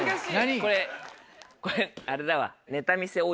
これこれあれだわ。